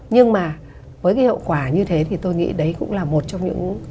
nhưng mà với cái hậu quả như thế thì tôi nghĩ đấy cũng là một trong những